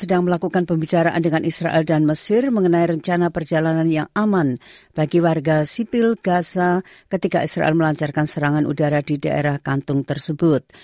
sedang melakukan pembicaraan dengan israel dan mesir mengenai rencana perjalanan yang aman bagi warga sipil gaza ketika israel melancarkan serangan udara di daerah kantung tersebut